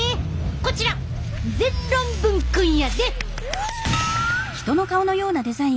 こちら全論文くんやで！